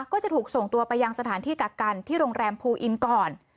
ก็จะถูกส่งตัวไปยังสถานที่กักกันที่โรงแรมภูอินก่อน